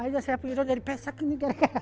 saya pikir jadi pesek ini